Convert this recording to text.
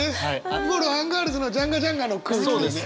もろアンガールズのジャンガジャンガの空気だよね。